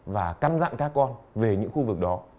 và căn dặn các con về những khu vực đó